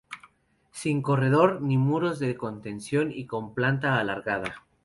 Sin corredor ni muros de contención y con planta alargada.